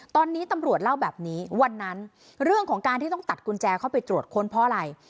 ตอนนี้ตำรวจเล่าแบบนี้วันนั้นเรื่องของการที่ต้องตัดกุญแจเข้าไปตรวจค้นเพราะอะไร